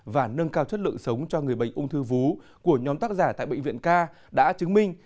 và nâng cao chất lượng sống cho người bệnh ung thư vú của nhóm tác giả tại bệnh viện k đã chứng minh